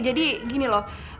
jadi gini loh